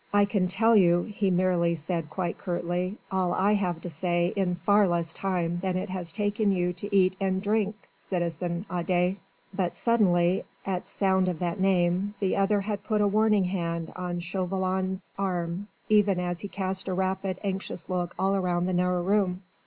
"I can tell you," he merely said quite curtly, "all I have to say in far less time than it has taken you to eat and drink, citizen Adet...." But suddenly, at sound of that name, the other had put a warning hand on Chauvelin's arm, even as he cast a rapid, anxious look all round the narrow room.